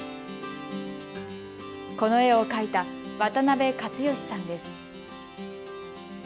この絵を描いた渡部一喜さんです。